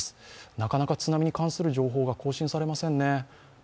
なかなか津波に関する情報が更新されませんね。